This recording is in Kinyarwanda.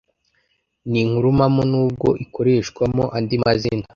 Ni inkuru mpamo nubwo ikoreshwamo andi mazina